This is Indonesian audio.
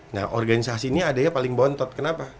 nah organisasi ini adanya paling bontot kenapa